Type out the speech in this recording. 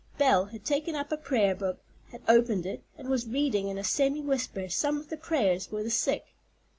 Belle had taken up a prayer book, had opened it, and was reading in a semi whisper some of the prayers for the sick.